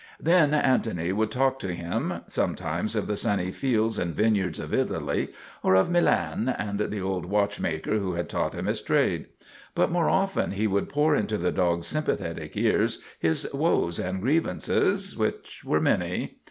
Then Antony would talk to him, sometimes of the sunny fields and vineyards of Italy, or of Milan and the old watchmaker who had taught him his trade; but more often he would pour into the dog's sympa thetic ears his woes and grievances, which were many.